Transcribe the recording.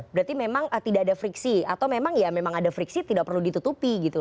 berarti memang tidak ada friksi atau memang ya memang ada friksi tidak perlu ditutupi gitu